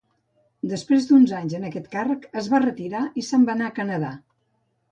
Després d'uns anys en aquest càrrec es va retirar i se'n va anar a Canada.